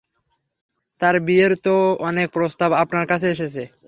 তার বিয়ের তো অনেক প্রস্তাব আপনার কাছে এসেছে?